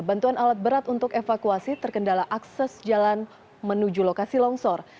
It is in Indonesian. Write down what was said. bantuan alat berat untuk evakuasi terkendala akses jalan menuju lokasi longsor